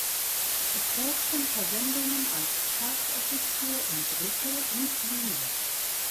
Es folgten Verwendungen als Stabsoffizier in Brüssel und Wien.